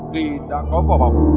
vì đã có vỏ bọc